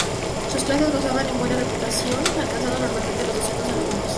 Sus clases gozaban de buena reputación, alcanzando normalmente los doscientos alumnos.